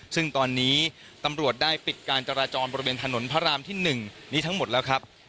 ซึ่งตอนนี้ตำรวจได้ปิดการจราจรบริเวณถนนพระรามที่๑นี้ทั้งหมดแล้วครับ